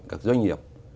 các doanh nghiệp